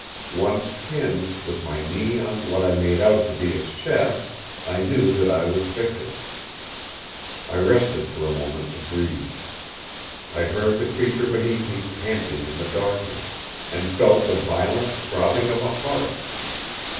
Once pinned, with my knee on what I made out to be its chest, I knew that I was victor. I rested for a moment to breathe. I heard the creature beneath me panting in the darkness, and felt the violent throbbing of a heart.